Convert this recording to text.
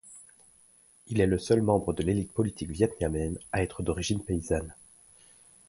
Il est le seul membre de l'élite politique vietnamienne à être d'origine paysanne.